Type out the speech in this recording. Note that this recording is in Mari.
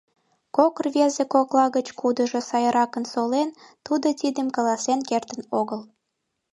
Кок рвезе кокла гыч кудыжо сайракын солен, тудо тидым каласен кертын огыл.